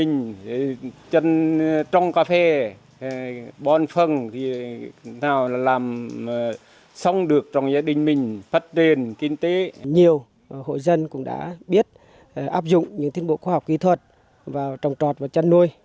hội dân cũng đã biết áp dụng những thiết bộ khoa học kỹ thuật vào trồng trọt và chăn nuôi